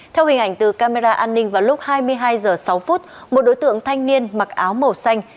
theo hình ảnh từ camera an ninh vào lúc hai mươi hai h sáu một đối tượng thanh niên mặc áo màu xanh